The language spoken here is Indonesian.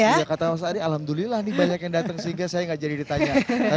ya kata mas ari alhamdulillah nih banyak yang datang sehingga saya gak jadi ditanya